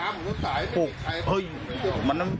ไปโบกรถจักรยานยนต์ของชาวอายุขวบกว่าเองนะคะ